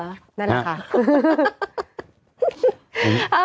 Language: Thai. นั่นแหละค่ะ